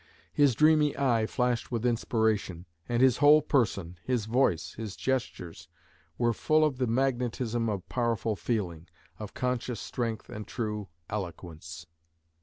His dreamy eye flashed with inspiration, and his whole person, his voice, his gestures, were full of the magnetism of powerful feeling, of conscious strength and true eloquence."